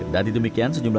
dan di demikian sejumlahnya